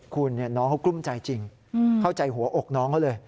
คุณน้องเขากลุ้มใจจริงเข้าใจหัวอกน้องเขาเลย